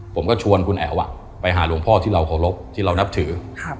ผมก็ชวนคุณแอ๋วไปหาหลวงพ่อที่เราเคารพที่เรานับถือ